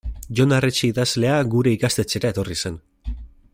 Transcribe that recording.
Jon Arretxe idazlea gure ikastetxera etorri zen.